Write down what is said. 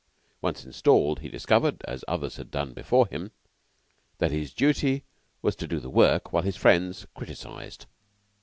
Once installed, he discovered, as others have done before him, that his duty was to do the work while his friends criticized.